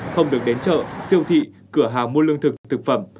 không được đến chợ siêu thị cửa hàng mua lương thực thực phẩm